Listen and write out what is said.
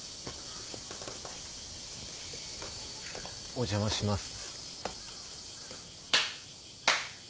お邪魔します。